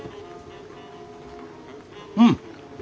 うん！